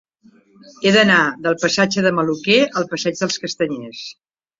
He d'anar del passatge de Maluquer al passeig dels Castanyers.